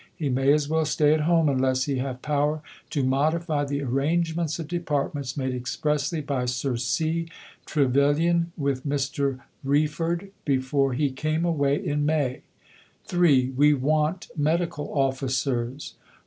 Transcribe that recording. He may as well stay at home unless he have power to modify the arrangements of departments made expressly by Sir C. Trevelyan with Mr. Wreford before he came away in May. (3) We want Medical Officers.